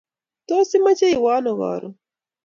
Tos, imache iwe ano koron?